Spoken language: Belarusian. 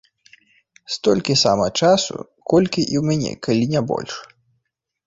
Столькі сама часу, колькі і ў мяне, калі не больш.